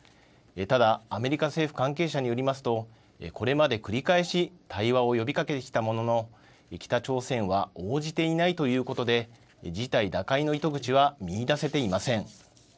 ただ、アメリカ政府関係者によりますとこれまで繰り返し対話を呼びかけしたものの北朝鮮は応じていないということで事態打開の糸口は見いだせていません。